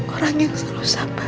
orang yang selalu sabar